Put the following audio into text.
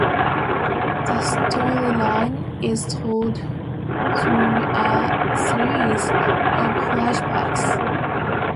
The storyline is told through a series of flashbacks.